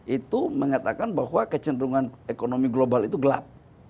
itu mengatakan bahwa kecenderungan ekonomi global itu gelap